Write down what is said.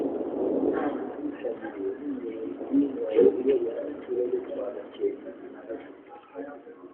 Iyo nama yitabiriwe n'Umuyobozi w'Ingabo uyobora Uturere twa Gakenke na Rulindo